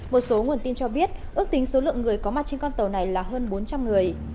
một số nguồn tin cho biết ước tính số lượng người có mặt trên con tàu này là hơn bốn trăm linh người